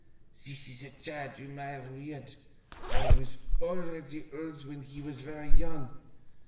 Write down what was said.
This is a child whom I have reared. I was already old while he was very young.